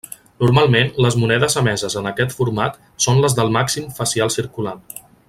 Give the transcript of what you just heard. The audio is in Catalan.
Normalment les monedes emeses en aquest format són les del màxim facial circulant.